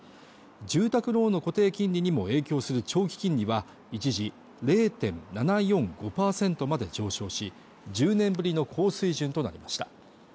住宅ローンの固定金利にも影響する長期金利は一時０．７４５％まで上昇し１０年ぶりの高水準となりました